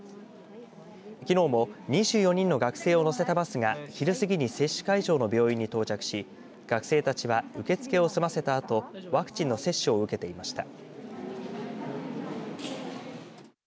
きのうも２４人の学生を乗せたバスが昼過ぎに接種会場の病院に到着し学生たちは受け付けを済ましたあとワクチンの接種を受けていました。